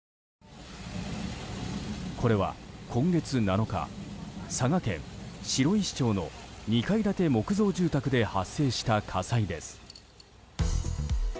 これは今月７日、佐賀県白石町の２階建て木造住宅で発生した火災です。